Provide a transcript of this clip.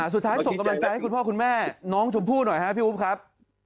ส่งกำลังใจให้คุณพ่อคุณแม่น้องชมพู่หน่อยครับพี่อุ๊บครับ